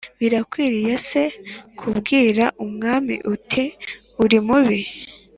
birakwiriye se kubwira umwami uti ‘uri mubi’